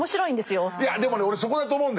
いやでもね俺そこだと思うんだよね。